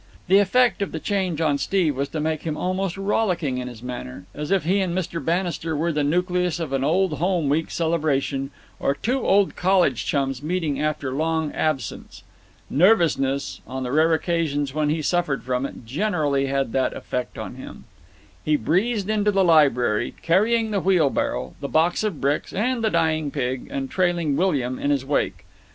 The effect of the change on Steve was to make him almost rollicking in his manner, as if he and Mr. Bannister were the nucleus of an Old Home Week celebration or two old college chums meeting after long absence. Nervousness, on the rare occasions when he suffered from it, generally had that effect on him. He breezed into the library, carrying the wheelbarrow, the box of bricks, and the dying pig, and trailing William in his wake.